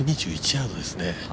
１２１ヤードですね。